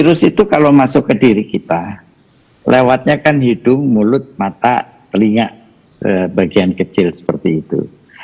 virus itu kalau masuk ke diri kita lewatnya kan hidung mulut mata telinga bagian kecil seperti itu